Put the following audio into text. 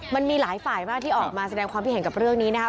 มันมีหลายฝ่ายมากที่ออกมาแสดงความคิดเห็นกับเรื่องนี้นะครับ